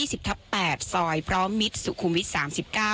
ซอยพร้อมมิทสุขุมฤทธิ์๓๙